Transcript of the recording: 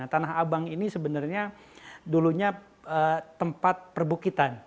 tanah abang ini sebenarnya dulunya tempat perbukitan